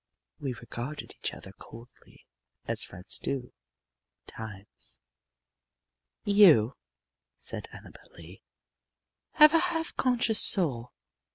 We regarded each other coldly, as friends do, times. "You," said Annabel Lee, "have a half conscious soul.